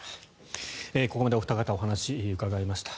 ここまでお二方にお話を伺いしました。